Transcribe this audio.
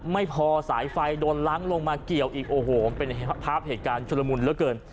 ไม่พอสายไฟโดนล้างลงมาเกี่ยวอีกโอ้โหเป็นภาพเหตุการณ์ชุลมุนเหลือเกิน